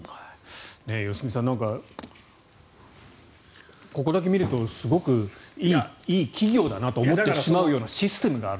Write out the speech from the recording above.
良純さんなんか、ここだけ見るとすごくいい企業だなと思ってしまうようなシステムがある。